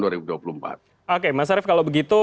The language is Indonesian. oke mas arief kalau begitu